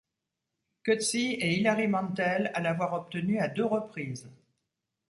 Coetzee et Hilary Mantel à l’avoir obtenu à deux reprises.